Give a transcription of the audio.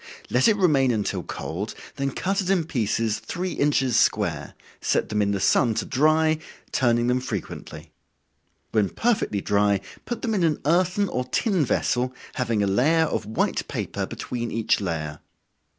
Let it remain until cold, then cut it in pieces three inches square, set them in the sun to dry, turning them frequently. When perfectly dry, put them in an earthen or tin vessel, having a layer of white paper between each layer.